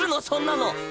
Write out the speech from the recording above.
そんなの。